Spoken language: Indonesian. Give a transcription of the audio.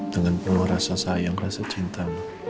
dengan penuh rasa sayang rasa cinta